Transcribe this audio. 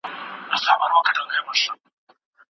په مردار ډنډ کي به څنګه ژوند کومه